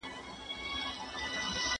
¬ کښتۍ په نيت چلېږي.